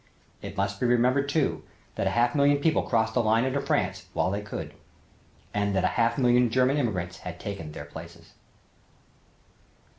It must be remembered too, that a half million people crossed the line into France while they could and that a half million German immigrants had taken their places.